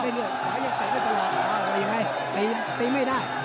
ไม่เหลือขวายังเตะได้ตลอดว่ายังไงตีไม่ได้